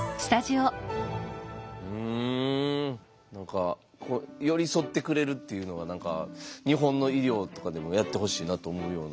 何か寄り添ってくれるっていうのは何か日本の医療とかでもやってほしいなと思うような。